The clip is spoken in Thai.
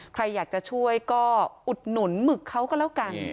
ใครอยากจะช่วยก็อุดหนุนหมึกเขาก็แล้วกัน